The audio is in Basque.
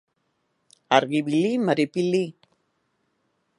Jarreraren kontrolean eta orekan eragingo dute.